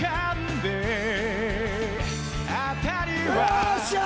よっしゃ！